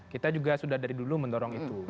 kita juga sudah dari dulu mendorong itu